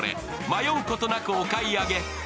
迷うことなくお買い上げ。